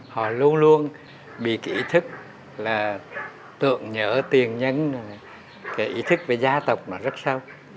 họ luôn luôn bị cái ý thức là tượng nhỡ tiền nhân cái ý thức về gia tộc nó rất sâu